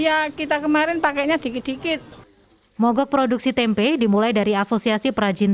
ya kita kemarin pakainya dikit dikit mogok produksi tempe dimulai dari asosiasi perajin